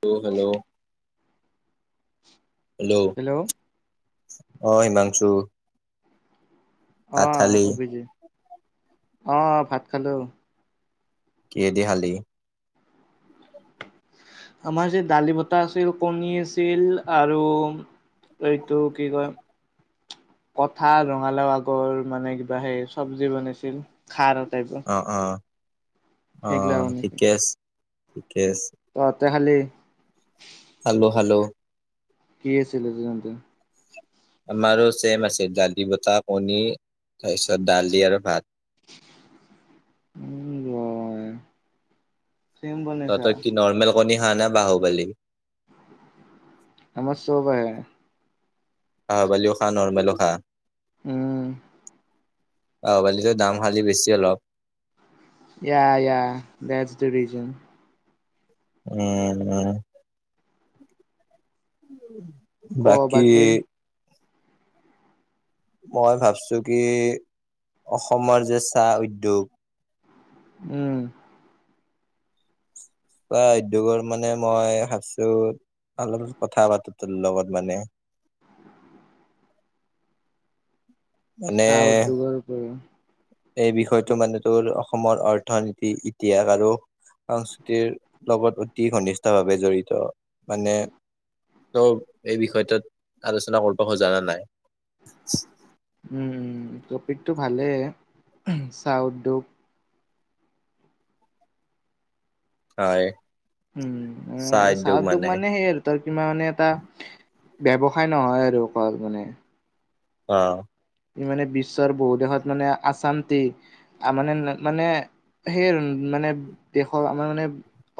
Hello, hello. অ হিমাংশু। ভাত অঁহ খালি অভিজি, অঁহ ভাত খালোঁ। কিহে দি খালি? আমাৰ যে দালি বটাহ আছিল কণী আছিল আৰু- এইতটো কি কয়- কঠাল ৰঙালাও আগৰ মানে কিবা সেই চব্জি বনাইছিল খাৰটাইপৰ। অ, অ ঠিকে আছে, ঠিকে আছে। তহঁতি খালি? খালোঁ খালোঁ। কি আছিলে তেন্তে? আমাৰো চছেম আছিল দালি বটা কণী তাৰপিছত দালি আৰু ভাত। উম হয়। তহঁতৰ কি নৰ্মেল কণী খাওঁ নে বাহু বালি? আমাৰ চ'ব হে। বাহু বলিও খা নৰ্মেলো খা। উম। বাহু বলি দাম খালী বেছি অলপ। ইয়া ইয়া দেজ ৰিজন। উম উম। বাকী- মই ভাবছো কি, অসমৰ যে চাহ উদ্যোগ। উম। উদ্যোগৰ মানে মই ভাবছো অলপ কথা পাতো ত লগত মানে। মানে চাহ উদ্যোগৰ। এই বিষয়টো মানে তোৰ অসমৰ অৰ্থনীতি ইতিহাস আৰু। সংস্কৃতিৰ লগত অতি ঘনিষ্ট ভাৱে জড়িত মানে- ত এই বিষয়টোত আলোচনা কৰিব খোজানা নাই চি। উমঁ উমঁ টপিকটো ভালেই চাহ উদ্যোগ- হয়ঁ! উমঁ চাহ উদ্যোগ মানে হেৰ তোমাৰ কাৰণে মানে এটা ব্যৱসায় নহয় আৰু মানে অঁ! মানে বিশ্বৰ বহুত দেশত মানে আচাম টি। আমাৰ মানে মানে সেই মানে দেশৰ আমাৰ মানে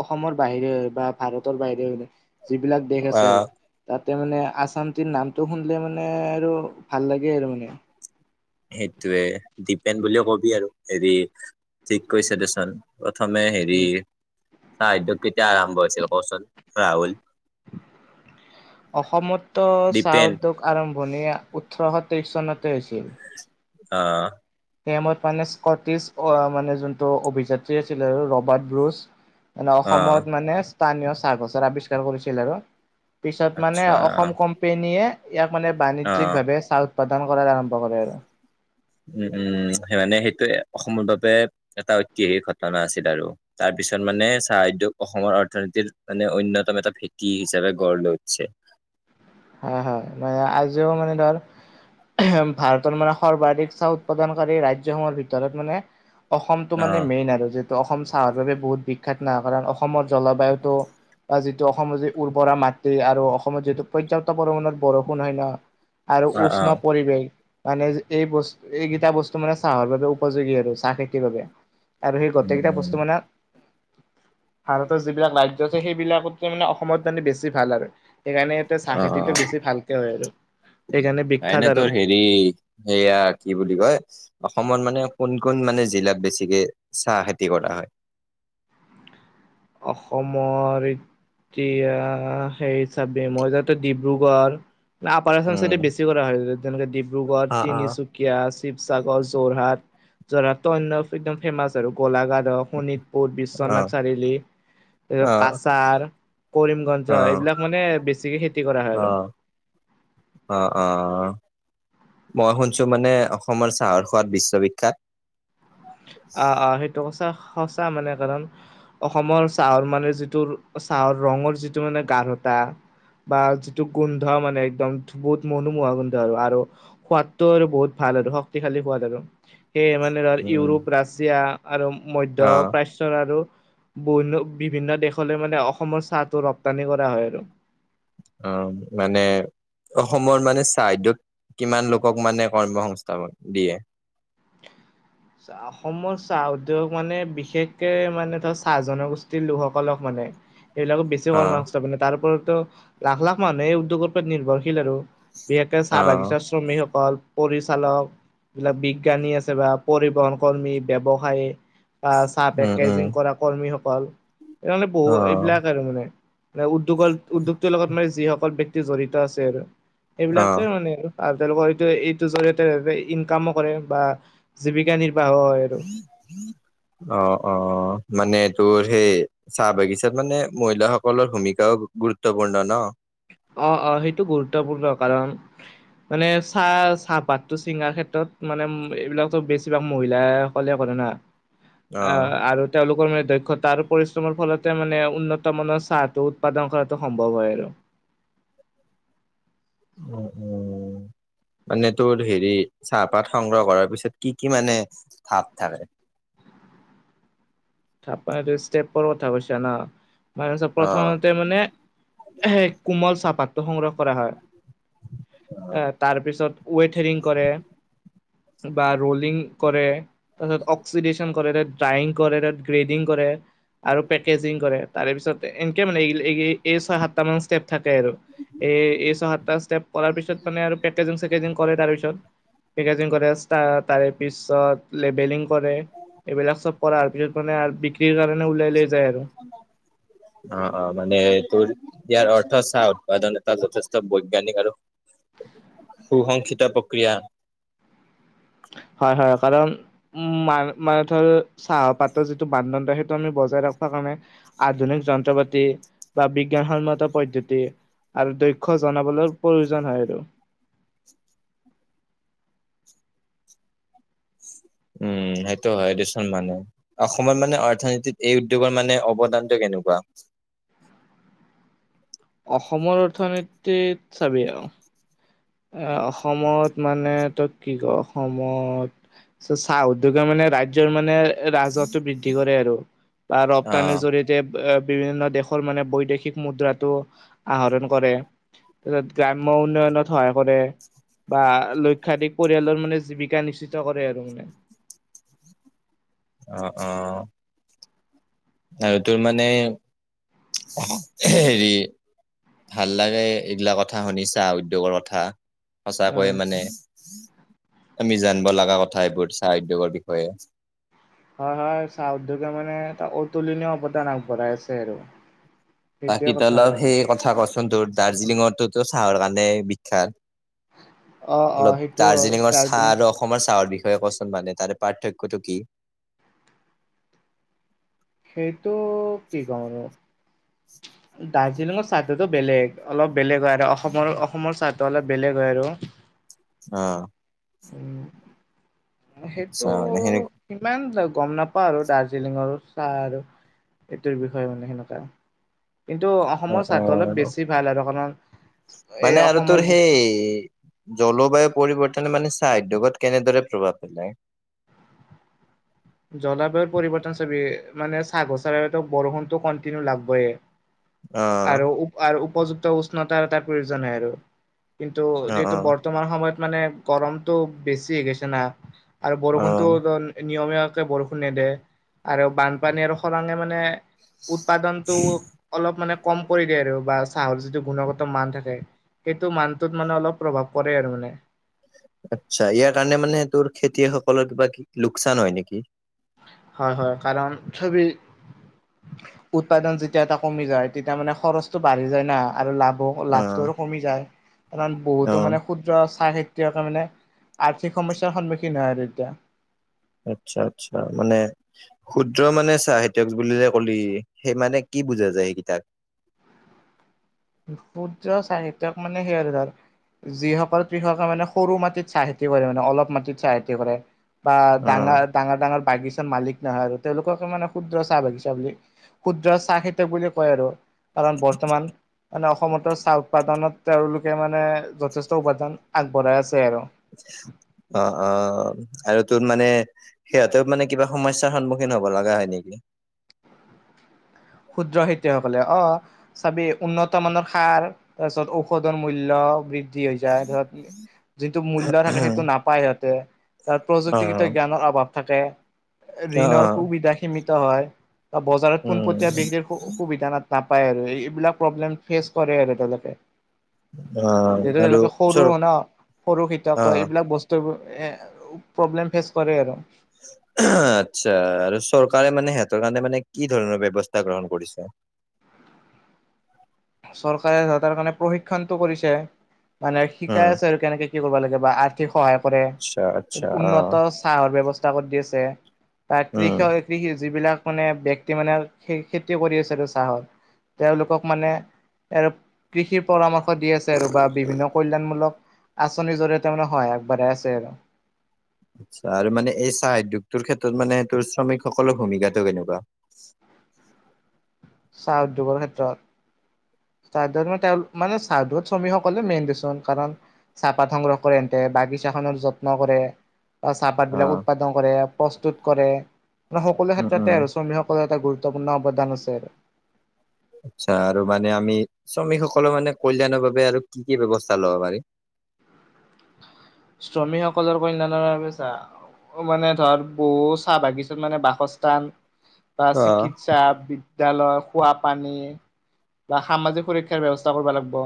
অসমৰ বাহিৰে বা ভাৰতৰ বাহিৰে যিবিলাক দেশ অ আছে আৰু। তাতে মানে আচাম জিলা নামটো শুনিলে মানে আৰু ভাল লাগে আৰু মানে। সেইটোৱে ডিপেন বুলে কবি আৰু হেৰি ঠিক কৈছে দে চাৰ। প্ৰথমে হেৰি উম, চাহ উদ্যোগ কেতিয়া আৰম্ভ হৈছিল কচোন ৰাহুল? অসমতো ডিপেন চাহ উদ্যোগ- আৰম্ভণি ওঠৰশ তেইশ চনতে হৈছিল। অঁ অঁ। সেই মত মানে স্কটিছ অ মানে যোনটো অভিযাত্ৰী আছিলে আৰু ৰবাৰ্ট ব্ৰুজ। মানে অ অসমত মানে স্থানীয় চাহগছৰ আৱিষ্কাৰ কৰিছিল আৰু। পিছত মানে আচ্ছা অসম কোম্পেনীয়ে ইয়াক মানে অ বাণিজ্যিক ভাৱে চাল- উৎপাদান কৰাৰ আৰম্ভ কৰে আৰু। উমঁ উমঁ সেই মানে সেইটোৱে অসমৰ বাবে এটা ঐতিহাসিক ঘটনা আছিল আৰু। তাৰ পিছত মানে চাহ উদ্যোগ অসমৰ অৰ্থনীতিৰ মানে অন্যতম এটা ভেটি হিচাপে গঢ় লৈ উঠিছে। হয়ঁ হয়ঁ মানে আজিও মানে ধৰ- ভাৰতৰ মানে সৰ্বাধিক চাহ উৎপাদনকাৰী ৰাজ্যসমূহৰ ভিতৰত মানে- অসমতটো মানে অ', মেইন আৰু যিহেতু অসম চাহৰ বাবে বহুত বিখ্যাত অ ন কাৰণ অসমৰ জলবায়ুটো বা যিটো অসমৰ যি উৰ্বৰা মাটি আৰু অসমত যিটো- পৰ্যাপ্ত পৰিমণৰ বৰষুণ হয় ন আৰু অ', উষ্ণ অ', পৰিৱেশ। মানে এই বস্তু এইকেইটা বস্তু মানে চাহৰ বাবে উপযোগী আৰু চাহ খেতিৰ বাবে। আৰু সেই উম, গোটেইকেইটা উম, বস্তু মানে- ভাৰতৰ যিবিলাক ৰাজ্য আছে সেইবিলাকত মানে অসমত জানি বেছি ভাল আৰু সেইকাৰণে- চাহ অ', অ', খেতিটো বেছি ভালকে হয় আৰু সেইকাৰণে এনে বিখ্যাত তোৰ আৰু। হেৰি সেয়া কি বুলি কয়- অসমত মানে কোন কোন মানে জিলাত বেছিকে চাহ খেতি কৰা হয়। অসমৰ- এতিয়া সেই হিচাপে মই যাতে ডিব্ৰুগড়- ন আপাৰ আসাম উম। চাইডে বেছি কৰা হয় যেনেকে ডিব্ৰুগড়, অ', অ'। তিনিচুকীয়। এতিয়া শিৱসাগৰ, যোৰহাট যোৰহাট অন্য একদম ফেমাচ আৰু গোলঘাট। আৰু শোণিতপুৰ, অ', বিশ্বনাথ চাৰিআলি। অ', কাছাৰ কৰিমগঞ্জ অ', এইবিলাক মানে বেছিকে খেতি কৰা হয় আৰু। অঁ অঁ মই শুনিছো মানে অসমৰ চাহৰ সোৱাদ বিশ্ববিখ্যাত। আহ আহ সেইটো সঁচা সঁচা মানে কাৰণ- অসমৰ চাহৰ মানে যিটো চাহৰ ৰঙৰ যিটো মানে গাঢ়তা। বা যিটো গোন্ধ মানে একদম বহুত মনোমোহ গোন্ধ আৰু আৰু। সোৱাদটো আৰু বহুত ভাল আৰু শক্তিশালী সোৱাদ আৰু। সেয়ে মানে ধৰ উম, ইউৰোপ, ৰাছিয়া আৰু মধ্য অ'। প্ৰাচ্য- বিশ আৰু বহন্ন বিভিন্ন দেশলৈ মানে অসমৰ চাহটো ৰপ্তানি কৰা হয় আৰু। অ', মানে অসমৰ মানে চাহ উদ্যোগত কিমান লোকক মানে কৰ্মসস্থাপন দিয়ে? অসমৰ চাহ উদ্যোগ মানে বিশেষকে মানে ধৰ চাহ জনগোষ্ঠীৰ লোকসকলক মানে সেইবিলাকো বেছি কৰ্ম অ', সংস্থাপনে তাৰ ওপৰতো লাখ, লাখ মানুহে উদ্যোগৰ ওপৰত নিভৰ্ৰশীল আৰু। বিশেষকে চাহ অ', বাগিচাৰ শ্ৰমিকসকল পৰিচালক যিবিলাক বিজ্ঞানী আছে বা পৰিবহন কৰ্মী ব্যৱসায় বা চাহ উম, উম, পেকেজিং কৰা কৰ্মীসকল সেই মানে বহু অ', এইবিলাক আৰু মানে উদ্যোগৰ উদ্যোগটোৰ লগত মানে যিসকল ব্যক্তি জড়িত আছে আৰু সেইবিলাকে অ', মানে আৰু। আৰু তেওঁলোকৰ এইটো এইটোৰ জৰিয়তে ইনকামো কৰে বা জীৱিকা নিৰ্বাহ হয়। আৰু অ', অ', মানে তোৰ সেই চাহ বাগিচাত মানে মহিলাাসকলৰ ভূমিকাও গুৰুত্বপূৰ্ণ ন। অ', অ', সেইটো গুৰুত্বপূৰ্ণ কাৰণ মানে চাহ চাহপাতটো ছিঙাৰ ক্ষেত্ৰত মানে এইবিলাকতো বেছিভাগ মহিলাই অকলে কৰ না অ', আৰু তেওঁলোকৰ মানে দক্ষতা আৰু পৰিশ্ৰমৰ ফলতে মানে উন্নত মানৰ চাহটো উৎপাদন কৰাটো সম্ভৱ হয় আৰু। উম, উম। মানে তোৰ হেৰি চাহপাত সংগ্ৰহ কৰাৰ পিছত কি, কি মানে ভাত থাকে। থাপান ষ্টেপৰ কথা কৈছা ন মান অ', প্ৰথমতে মানে কোমল চাহপাতটো সংগ্ৰহ কৰা হয়। তাৰ পিছত ৱেট হেৰিং কৰে। বা ৰুলিং কৰে। তাৰপিছত অক্সিডেশচন কৰে তাত ড্ৰাইিং কৰে তাত গ্ৰেডিং কৰে আৰু পেকেজিং কৰে তাৰে পিছত এনেকে মানে এই, এই ছয় সাতটা মান ষ্টেপ থাকে আৰু এই, এই ছয় সাতটা ষ্টেপ কৰাৰ পিছত মানে আৰু পেকেজিং চেকেজিং কৰে তাৰপিছত পেকজিং কৰে তাৰে পিছত লেবেলিং কৰে এইবিলাক চব কৰাৰ পিছত মানে আৰু বিক্ৰীৰ কাৰণে ওলাই লৈ যায় আৰু। অ', অ', মানে তোৰ ইয়াৰ অৰ্থ চাহ উৎপাদন এটা যথেষ্ট বৈজ্ঞানিক আৰু সু সংসিত প্ৰক্ৰিয়া। হয়, হয় কাৰণ উ মান মানে ধৰ চাহপাতৰ যিটো মানদণ্ড সেইটো আমি বজাই ৰাখিব কাৰণে আধুনিক যন্ত্ৰ পাতি বা বিজ্ঞানসন্মত পদ্ধতি। আৰু দক্ষ জনাবলৈ প্ৰয়োজন হয় আৰু। উম, সেইটো হয় দেচোন মানে। অসমত মানে অৰ্থনীতিত এই উদ্যোগৰ মানে অৱদানটো কেনেকুৱা? অসমৰ অৰ্থনীতিত চাবিই আৰু এ অসমত মানে তই কি কয় অসমত ত চাহ উদ্যোগে মানে ৰাজ্যৰ মানে ৰাজহথটো বৃদ্ধি কৰে আৰু বা ৰপ্তানিৰ অ', জৰি়য়তে বিভিন্ন দেশৰ মানে বৈদেশিক মুদ্ৰাটো আহৰণ কৰে। ত গ্ৰাম উন্নয়নত সহায় কৰে বা লক্ষাধিক পৰিয়ালৰ মানে জীৱিকা নিশ্চিত কৰে আৰু মানে। অ', অ'। আৰু তোৰ মানে হেৰি ভাল লাগে এইগিলা কথা শুনিছা উদ্যোগৰ কথা। সঁচাকৈয়ে অ'। মানে আমি জানিব লগা কথা এইবোৰ চাহ উদ্যোগৰ বিষয়ে। হয় হয় চাহউদ্যোগে মানে এটা অতুলিনীয় অৱদান আগবঢ়াই আছে আৰু। সেইটোৱে বাকী কথা অলপ আৰু মোৰ। সেই কথা কচোন তোৰ দাৰ্জিলিঙটোতো চাহৰ কাৰণে অ', বিখ্যাত। অ' অলপ সেইটো দাৰ্জিলিঙৰ চাহ দাৰ্জিলিং আৰু অসমৰ চাহৰ বিষয়ে কচোন মানে তাৰে পাৰ্থক্যটো কি? সেইটো কি কওঁ আৰু দাৰ্জিলিঙৰ চাহতটো বেলেগ। অলপ বেলেগ হয় আৰু অসমৰ অসমৰ চাহটো অলপ বেলেগ হয় আৰু। অ'। উম। সেইটো আচ্ছা মানে সেনে সিমান গম নাপাওঁ আৰু দাৰ্জিলিঙৰ চাহ আৰু। এইটোৰ বিষয়ে মানে সেনেকুৱা। কিন্তু অ', অসমৰ চাহটো অলপ অ', বেছি ভাল আৰু কাৰণ এ মানে আৰু তোৰ অসমৰ যি সেই জলবায়ু পৰিৱৰ্তনে মানে চাহ উদ্যোগত কেনেদৰে প্ৰভাৱ পেলায়? জলবায়ুৰ পৰিৱৰ্তন চবি মানে চাহাগছৰ বৰষুণতো কণ্টিনিউ লাগবইয়ে। অ', আৰু আৰু উপযুক্ত উষ্ণতা তাৰ প্ৰয়োজন হয় আৰু কিন্তু অ', যিহেতু অ', বৰ্তমান সময়ত মানে গৰমটো বেছি হৈ গেছে না আৰু বৰষুণতো অ', নিয়মীয়া কে বৰষুণে নিদিয়ে। আৰু বানপানী আৰু খৰাঙে মানে উৎপাদনটো অলপ মানে কম কৰি দিয়ে আৰু বা চাহৰ যিটো গুণগত মান থাকে। সেইটো মানটোত মানে অলপ প্ৰভাৱ পৰে আৰু মানে। আচ্ছা ইয়াৰ কাৰণে মানে তোৰ খেতিয়কসকলৰ কিবা লোকচান হয় নেকি? হয় হয় কাৰণ চবেই উৎপাদন যেতিয়া এটা কমি যায় তেতিয়া মানে খৰচটো বাঢ়ি যায় না আৰু লাভো অ', লাভটো কমি যায় কাৰণ বহুতো মানে অ', ক্ষুদ্ৰ চাহ খেতিয়কে মানে আৰ্থিক সমস্যাৰ সন্মুখীন হয় আৰু এতিয়া। আচ্ছা আচ্ছা মানে ক্ষুদ্ৰ মানে চাহ খেতিয়ক বুলি যে কলি সেই মানে কি বুজা যায় সেইকেইতাক? ক্ষুদ্ৰ চাহ খেতিয়ক মানে সেই আৰু ধৰ যিসকল কৃষকে মানে সৰু মাটিত চাহ খেতি কৰে মানে অলপ মাটিত চাহ খেতি কৰে। বা অ', ডাঙৰ ডাঙৰ ডাঙৰ বাগিছাৰ মালিক নহয় আৰু তেওঁলোকক মানে ক্ষুদ্ৰ চাহ বাগিছা বুলি ক্ষুদ্ৰ চাহ খেতিয়ক বুলি কয় আৰু কাৰণ বৰ্তমান মানে অসমত চাহ উৎপাদনত তেওঁলোকে মানে যথেষ্ট অৱদান আগবঢ়াই আছে আৰু। অঁহহহ আৰু তোৰ মানে সিহঁতেও মানে কিবা সমস্যাৰ সন্মুখীন হব লগা হয় নেকি? ক্ষুদ্ৰ খেতিয়কসকলে, অঁ। চাবেই উন্নত মানৰ সাৰ তাৰপিছত ঔষধৰ মূল্য বৃদ্ধি হৈ যায় ধৰক যিটো মূল্য থাকে অ', সেইটো নাপায় সিহঁতে। তাৰ প্ৰযুক্তিগৃত অ', জ্ঞানৰ অভাৱ থাকে। ঋণৰ অ', সুবিধা সীমিত হয়। বা বজাৰত উম, পোনপটীয়া বিক্ৰিৰ সুবিধা না নাপায় আৰু এইবিলাক প্ৰব্লেম ফেচ কৰে আৰু তেওঁলোকে। অ', যিহেতু আৰু তেওঁলোকে সৰু চৰ ন সৰু খিতাপ অ'। ত এইবিলাক বস্তু ত এ প্ৰব্লেম ফেচ কৰে আৰু। আচ্ছা। আৰু চৰকাৰে মানে সিহঁতৰ কাৰণে মানে কি ধৰণৰ ব্যৱস্থা গ্ৰহণ কৰিছে? চৰকাৰে ধৰ তাৰ কাৰণে প্ৰশিক্ষণটো কৰিছে মানে উম, শিকাই আছে আৰু কেনেকে কি কৰিব লাগে বা আৰ্থিক সহায় কৰে। আচ্ছা আচ্ছা অ'। উন্নত চাহৰ ব্যৱস্থা কৰি দি আছে, বা উম, কৃষক কৃষি যিবিলাক মানে ব্যক্তি মানে খেতি কৰি আছে আৰু চাহৰ। তেওঁলোকক মানে আৰু কৃষিৰ পৰামৰ্শ দি আছে আৰু বা বিভিন্ন কল্যণমূলক আঁচনিৰ জৰিয়তে মানে সহায় আগবঢ়াই আছে আৰু। আচ্ছা আৰু মানে এই চাহ উদ্যোগটোৰ ক্ষেত্ৰত মানে তোৰ, শ্ৰমিকসকলৰ ভূমিকাটো কেনেকুৱা? চাহ উদ্যোগৰ ক্ষেত্ৰত। [inaudible] মানে চাহত শ্ৰমিকসকলে মেইন দেচোন, কাৰণ চাহপাত সংগ্ৰহ কৰে, এতে বাগিচা খনৰ যত্ন কৰে। বা চাহপাত বিলাক অ', উৎপাদন কৰে, প্ৰস্তুত কৰে মান সকলো উম, উম, ক্ষেত্ৰতে আৰু শ্ৰমিকসক এটা গৰুতপূৰ্ণ, অবদ্ধান আছে। চাহ আৰু মানে আমি শ্ৰমিকসকলৰ মানে কল্যাণৰ বাবে আৰু কি কি ব্ৱস্থা লব পাৰিম? শ্ৰমিকসকলৰ। [inaudible] মানে ধৰ, বহু চাহ বাগিচাত মানে বাসস্থান, বা অ', চিকিৎসা আহ, বিদ্যালয়, খোৱাপানী বা সামাজিক সুৰক্ষাৰ ব্যৱস্থা কৰিব লাগিব।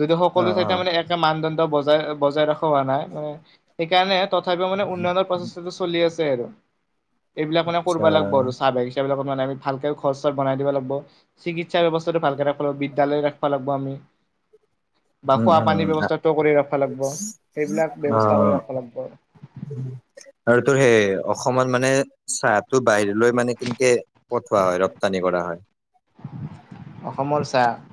যদি সকলো অ', ঠাইতে অ'। মানে একে মানদণ্ড বজাই, বজাই ৰাখ হোৱা নাই মানে সেইকাৰণে তথাপিও মানে উন্নয়নৰ প্ৰচেষ্টাটো চলি আছে আৰু। এইবিলাক মানে আচ্ছা কৰিব লাগিব আৰু চাহ বাগিচাব বিলাক মানেমি ভালকে ঘৰ-চৰ বনাই দিব লাগিব। চিকিৎসা্ৱস্থাটো ভালকে ৰাখব লাগিব, বিদ্যালয় ৰাখবা লাগিব আমি। বা উম, খোৱা পানীৰ উম, ব্যৱস্থাটো কৰি ৰাখবা লাগিব সেইবিলাক অ, ব্যৱস্থা কৰি ৰাখিব লাগিব আৰু তোৰ সেই, অসমত মানে চাহটো বাহিৰলৈ মানে কেনেকে পঠোৱা হয়, ৰপ্তানি কৰা হয়। অসমৰ চাহ।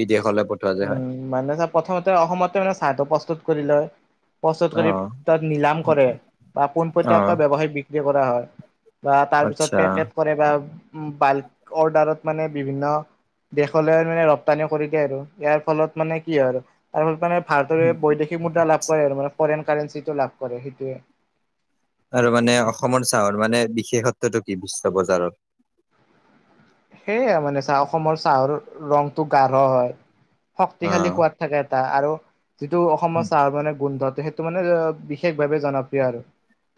বিদেশলৈ পঠোৱা, যে হয়। উম, মানে চাহ, প্ৰথমতে অসমতে মানে চাহটো প্ৰস্তুত কৰি লয়। প্ৰস্তুত কৰি অ', তাত নিলাম কৰে বা অ', পোনপটীয়াকৈ ব্যৱসায় বিক্ৰী কৰা হয়। বা তাৰ পিছত, আচ্ছা। পেকট কৰে বা বাল্ক অৰ্ডাৰত মানে বিভিন্ন দেশলৈ মানে ৰপ্তানি কৰি দিয়ে আৰু ইয়াৰ ফলত মানে কি হয় আৰু তাৰ ফলত মানে, ভাৰতৰ বৈদেশিক সেই মুদ্ৰা লাভ কৰে আৰু মানে ফৰেন কাৰেঞ্চিটো লাভ কৰে, সেইটোৱে। আৰু মানে অসমৰ চাহৰ মানে, বিশেষত্বটো কি? বিশ্ব বজাৰৰ। সেয়ে মানে চাহ অসমৰ চাহৰ ৰংটো গাঢ় হয়, শক্তিশালী অ' সোৱাদ। থাকে এটা আৰু যিটো অসমৰ চাহ, মানে গোন্ধটো সেই তটো মানে, বিশেষ ভাৱে জনপ্ৰিয় আৰু।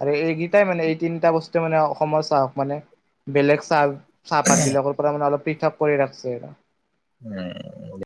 আৰু এইকেইটাই মানে এই তিনিটা বস্তু মানে অসমৰ চাহক মানে বেলেগ চাহ। পাত বিলাকৰ পৰা মানে অলপ পৃথক, কৰি ৰাখিছে আৰু। উম,